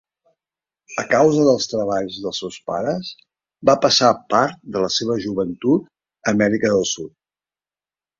A causa dels treballs dels seus pares, va passar part de la seva joventut a Amèrica del Sud.